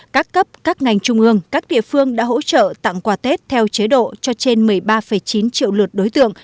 các cấp các ngành trung ương các địa phương đã hỗ trợ tặng quà tết theo chế độ cho trên một mươi ba chín triệu lượt đối tượng